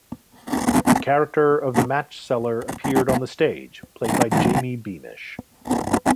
The character of the matchseller appeared on the stage, played by Jamie Beamish.